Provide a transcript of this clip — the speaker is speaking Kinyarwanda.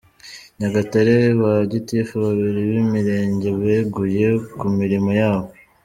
Nyagatare:Ba Gitifu baribi b’Imirenge beguye ku mirimo yabo.